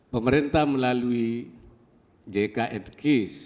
pemerintah melalui jktk telah melakukan kesehatan